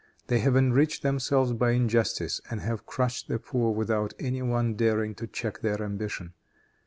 They have enriched themselves by injustice, and have crushed the poor without any one daring to check their ambition.